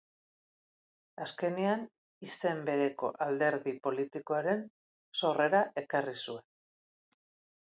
Azkenean, izen bereko alderdi politikoaren sorrera ekarri zuen.